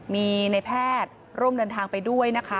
มีในแพทย์ร่วมเดินทางไปด้วยนะคะ